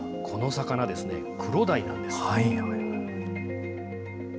この魚ですね、クロダイなんです。